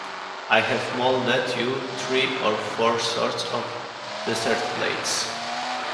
I have modeled you three or four sorts of desert plates.